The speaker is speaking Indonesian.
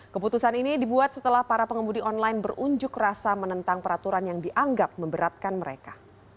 keputusan ini dibuat setelah para pengemudi online berunjuk rasa menentang peraturan yang dianggap memberatkan mereka